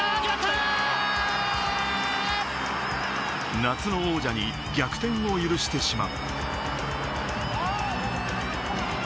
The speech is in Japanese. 夏の王者に逆転を許してしまう。